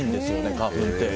花粉って。